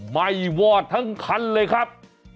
ไหม้วอดทั้งคันเลยครับ